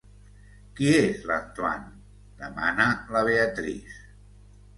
Qui és l'Antoine? —demana la Beatrice.